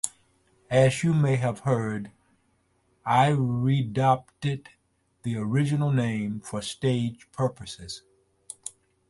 As you may have heard, I readopted the original name for stage purposes.